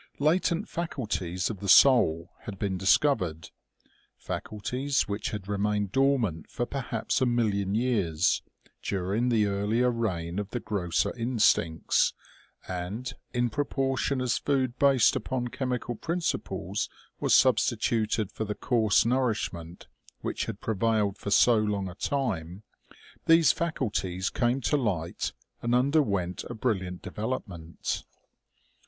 Latent faculties of the soul had been dis covered, faculties which had remained dormant for per haps a million years, during the earlier reign of the grosser instincts, and, in proportion as food based upon chemical principles was substituted for the coarse nourishment which had prevailed for so long a time, these faculties came to light and underwent a brilliant development.